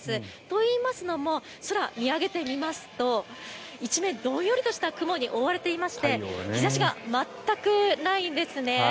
といいますのも空を見上げてみますと一面、どんよりとした雲に覆われていまして日差しが全くないんですね。